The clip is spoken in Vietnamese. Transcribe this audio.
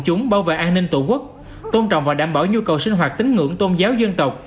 chúng bảo vệ an ninh tổ quốc tôn trọng và đảm bảo nhu cầu sinh hoạt tín ngưỡng tôn giáo dân tộc